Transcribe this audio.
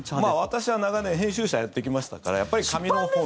私は長年編集者やってきましたからやっぱり紙のほう。